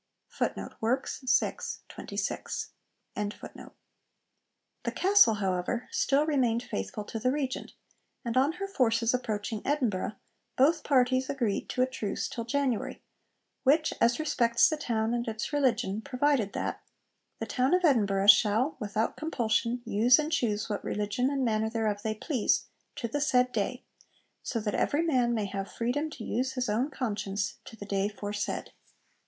' The castle, however, still remained faithful to the Regent, and on her forces approaching Edinburgh, both parties agreed to a truce till January, which, as respects the town and its religion, provided that 'The town of Edinburgh shall, without compulsion, use and choose what religion and manner thereof they please, to the said day; so that every man may have freedom to use his own conscience to the day foresaid.'